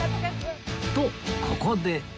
とここで